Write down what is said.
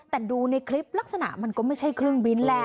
แต่ดูในคลิปลักษณะมันก็ไม่ใช่เครื่องบินแหละ